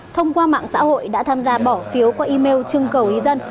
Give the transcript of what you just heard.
thông qua mạng xã hội đã tham gia bỏ phiếu qua email trưng cầu ý dân